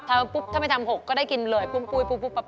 ถ้าไม่ทำหกก็ได้กินเลยปุ๊บปุ๊บปั๊บ